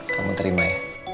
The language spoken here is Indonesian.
kamu terima ya